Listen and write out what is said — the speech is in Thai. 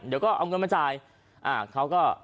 เดี๋ยวก็เอาเงินมาจ่ายเขาก็